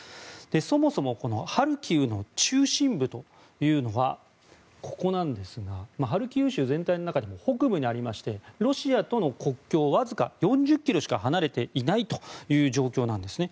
そもそもハルキウの中心部というのはハルキウ州全体の中で北部にありましてロシアとの国境わずか４０ｋｍしか離れていない状況なんですね。